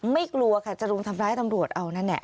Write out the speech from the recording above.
กลัวค่ะจะรุมทำร้ายตำรวจเอานั่นแหละ